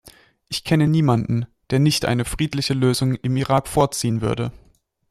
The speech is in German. Ich kenne niemanden, der nicht eine friedliche Lösung im Irak vorziehen würde.